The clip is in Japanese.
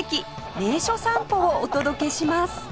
名所散歩をお届けします